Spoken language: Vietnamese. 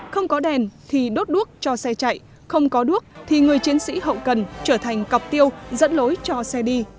không có đèn thì đốt đuốc cho xe chạy không có đuốc thì người chiến sĩ hậu cần trở thành cọc tiêu dẫn lối cho xe đi